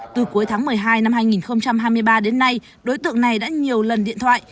từ cuối tháng một mươi hai năm hai nghìn hai mươi ba đến nay đối tượng này đã nhiều lần điện thoại